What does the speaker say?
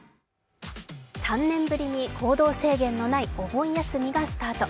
３年ぶりに行動制限のないお盆休みがスタート。